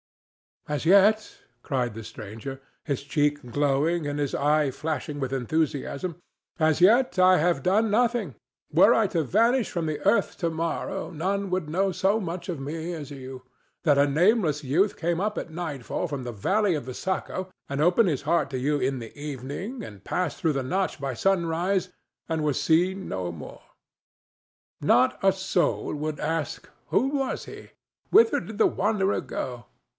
"As yet," cried the stranger, his cheek glowing and his eye flashing with enthusiasm—"as yet I have done nothing. Were I to vanish from the earth to morrow, none would know so much of me as you—that a nameless youth came up at nightfall from the valley of the Saco, and opened his heart to you in the evening, and passed through the Notch by sunrise, and was seen no more. Not a soul would ask, 'Who was he? Whither did the wanderer go?